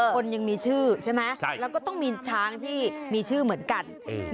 คนยังมีชื่อใช่ไหมแล้วก็ต้องมีช้างที่มีชื่อเหมือนกัน